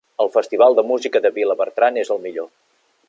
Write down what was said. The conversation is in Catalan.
El Festival de Música de Vilabertran és el millor.